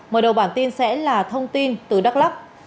mở đầu bản tin sẽ là thông tin từ đắk lắc